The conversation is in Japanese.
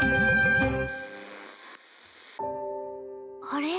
あれ？